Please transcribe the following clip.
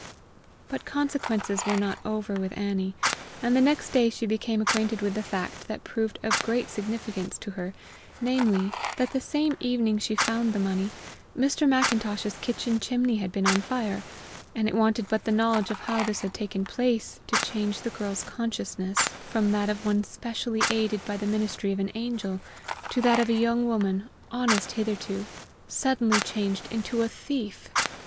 But consequences were not over with Annie; and the next day she became acquainted with the fact that proved of great significance to her, namely, that the same evening she found the money, Mr. Macintosh's kitchen chimney had been on fire; and it wanted but the knowledge of how this had taken place to change the girl's consciousness from that of one specially aided by the ministry of an angel to that of a young woman, honest hitherto, suddenly changed into a thief!